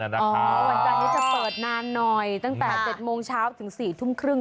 วันจันทร์นี้จะเปิดนานหน่อยตั้งแต่๗โมงเช้าถึง๔ทุ่มครึ่ง